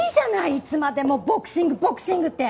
いつまでもボクシングボクシングって。